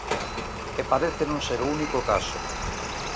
E parece non ser o único caso.